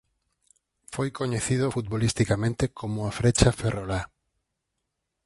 Foi coñecido futbolisticamente como a "frecha ferrolá".